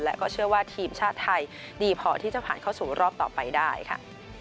และก็เชื่อว่าทีมชาติไทยดีพอที่จะผ่านเข้าสู่รอบต่อไปได้ค่ะ